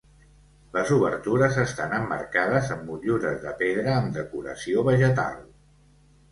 Les obertures estan emmarcades amb motllures de pedra amb decoració vegetal.